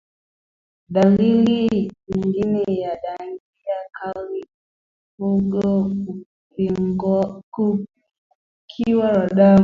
Dalili nyingine ya ndigana kali ni mfugo kupungukiwa na damu